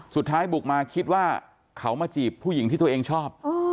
สุดท้ายบุกมาคิดว่าเขามาจีบผู้หญิงที่ตัวเองชอบ